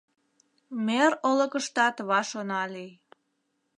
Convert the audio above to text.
Мӧр олыкыштат ваш она лий.